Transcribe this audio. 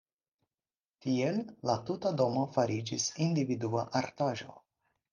Tiel la tuta domo fariĝis individua artaĵo.